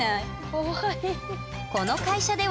かわいい。